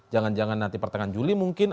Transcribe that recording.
jangan jangan nanti pertengahan juli mungkin